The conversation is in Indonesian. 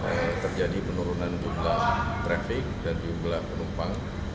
memang terjadi penurunan jumlah trafik dan jumlah penumpang